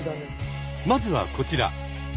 まずはこちら。